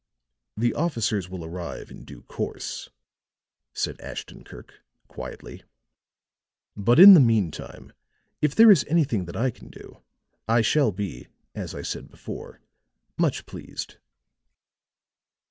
"The officers will arrive in due course," said Ashton Kirk, quietly. "But, in the meantime, if there is anything that I can do, I shall be, as I said before, much pleased."